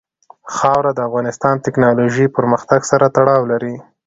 خاوره د افغانستان د تکنالوژۍ پرمختګ سره تړاو لري.